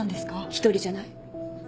一人じゃない。